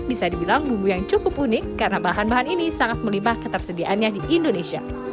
bisa dibilang bumbu yang cukup unik karena bahan bahan ini sangat melibah ketersediaannya di indonesia